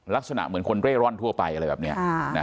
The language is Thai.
ลักษณะเหมือนคนเร่ร่อนทั่วไปอะไรแบบนี้